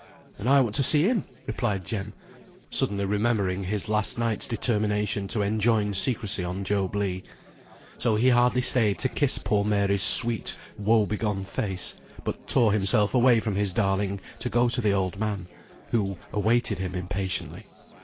"And I want to see him," replied Jem, suddenly remembering his last night's determination to enjoin secrecy on Job Legh. So he hardly stayed to kiss poor Mary's sweet woe begone face, but tore himself away from his darling to go to the old man, who awaited him impatiently.